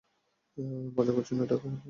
মজা করছি না, টায়লার!